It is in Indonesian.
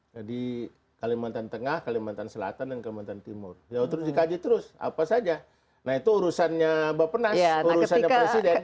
jadi kalimantan tengah kalimantan selatan dan kalimantan timur ya itu dikaji terus apa saja nah itu urusannya bapak penas urusannya presiden